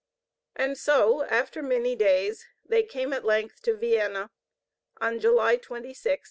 And so, after. many days, they came at length to Vienna, on July 26, 1564.